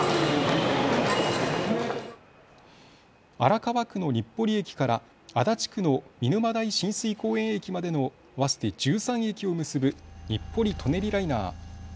荒川区の日暮里駅から足立区の見沼代親水公園駅までの合わせて１３駅を結ぶ日暮里・舎人ライナー。